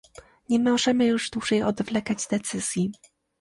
Nie możemy już dłużej odwlekać decyzji